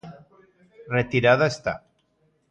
Retirada está.